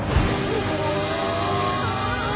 うわ！